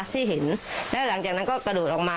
ที่เห็นแล้วหลังจากนั้นก็กระโดดออกมา